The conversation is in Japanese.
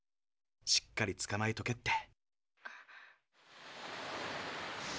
「しっかりつかまえとけ」って。